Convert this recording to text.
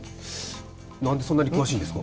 なんでそんなに詳しいんですか？